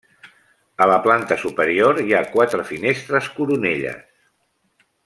A la planta superior hi ha quatre finestres coronelles.